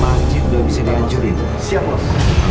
mas nanti masjid udah bisa dihancurin siap mas